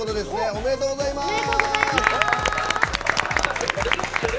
おめでとうございます。